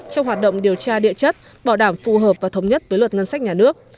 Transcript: trong hoạt động điều tra địa chất bảo đảm phù hợp và thống nhất với luật ngân sách nhà nước